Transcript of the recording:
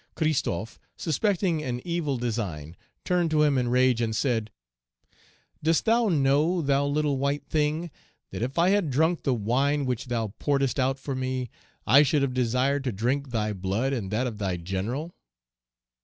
Christophe, suspecting an evil design, turned to him in rage, and said, "Dost thou know, thou little white thing, that if I had drunk the wine which thou pouredst out for me, I should have desired to drink thy blood and that of thy general?"